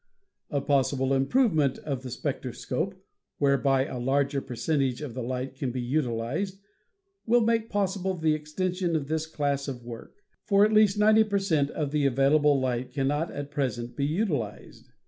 A possible improvement of the spectro scope, whereby a larger percentage of the light can be utilized, will make possible the extension of this class of work, for at least 90 per cent, of the available light cannot at present be utilized.